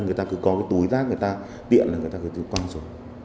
người ta cứ có cái túi rác người ta tiện là người ta cứ quăng rồi